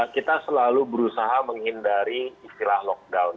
kita selalu berusaha menghindari istilah lockdown